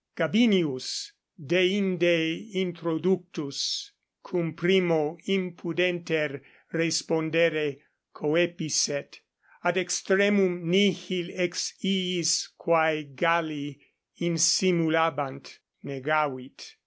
Gabinius deinde introductus, cum primo impudenter respondere coepisset, ad extremum nihil ex iis, quae Galli insimulabant, negavit.